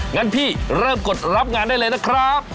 งั้นพี่เริ่มกดรับงานได้เลยนะครับ